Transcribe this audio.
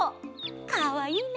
かわいいね。